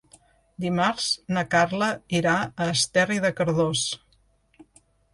Dimarts na Carla irà a Esterri de Cardós.